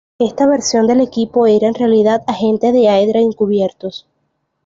Esta versión del equipo era en realidad agentes de Hydra encubiertos.